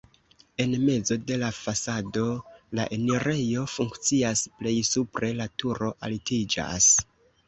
En mezo de la fasado la enirejo funkcias, plej supre la turo altiĝas.